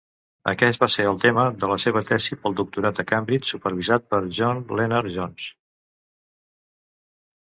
Aquest va ser el tema de la seva tesi pel doctorat a Cambridge, supervisat per John Lennard-Jones.